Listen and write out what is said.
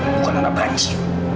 bukan anak banci